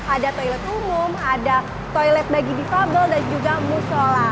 ada toilet umum ada toilet bagi difabel dan juga musola